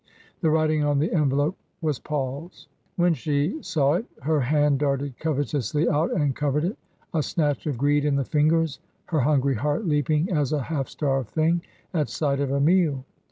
The writing on the envelope was Paul's. When she saw it her hand darted covetously out and covered it, a snatch of greed in the fingers, her hungry heart leaping as a half starved thing at sight of a meal.